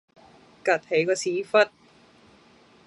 趷起個屎忽